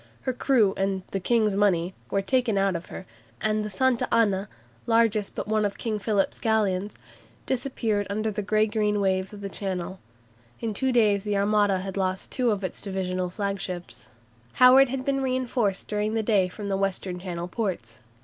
Her crew and "the King's money" were taken out of her, and the "Santa Ana," largest but one of King Philip's galleons, disappeared under the grey green waves of the Channel. In two days the Armada had lost two of its divisional flagships. Howard had been reinforced during the day from the Western Channel ports.